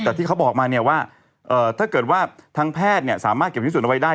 แต่ที่เขาบอกมาเนี่ยว่าถ้าเกิดว่าทางแพทย์สามารถเก็บพิสูตเอาไว้ได้